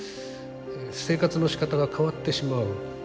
生活のしかたが変わってしまう。